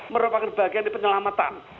merupakan bagian dari penyelamatan